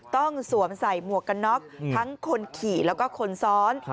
สวมใส่หมวกกันน็อกทั้งคนขี่แล้วก็คนซ้อน